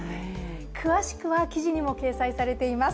詳しくは記事にも掲載されています。